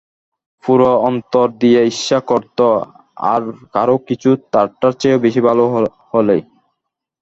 পুরো অন্তর দিয়ে ঈর্ষা করত—অন্য কারও কিছু তারটার চেয়ে বেশি ভালো হলেই।